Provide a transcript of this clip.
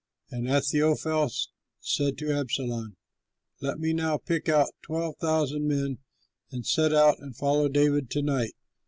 And Ahithophel said to Absalom, "Let me now pick out twelve thousand men, and set out and follow David to night.